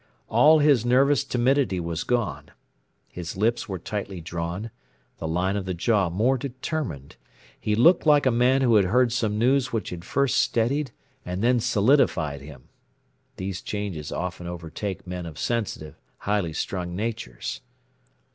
All his nervous timidity was gone; his lips were tightly drawn, the line of the jaw more determined. He looked like a man who had heard some news which had first steadied and then solidified him. These changes often overtake men of sensitive, highly strung natures.